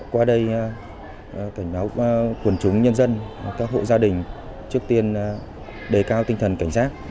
qua đây cảnh báo quần chúng nhân dân các hộ gia đình trước tiên đề cao tinh thần cảnh giác